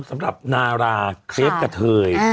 สำหรับนาราเคฟกะเทย